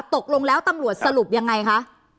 ตกลงแล้วตำรวจสรุปยังไงคะ